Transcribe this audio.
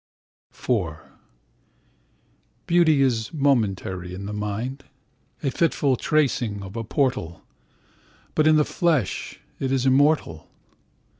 IVBeauty is momentary in the mind—The fitful tracing of a portal; But in the flesh it is immortal.